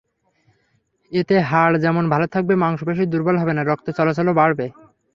এতে হাড় যেমন ভালো থাকবে, মাংসপেশি দুর্বল হবে না, রক্ত চলাচলও বাড়বে।